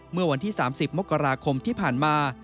เมื่อวันที่๓๐มกราคมที่ผ่านมา